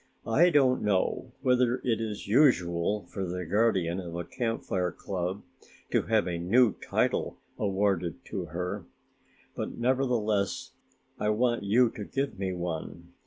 I don't know whether it is usual for the guardian of a Camp Fire club to have a new title awarded her, but nevertheless I want you to give me one.